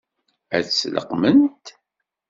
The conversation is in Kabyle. Ad t-leqqment?